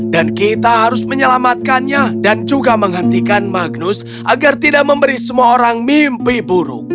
dan kita harus menyelamatkannya dan juga menghentikan magnus agar tidak memberi semua orang mimpi dia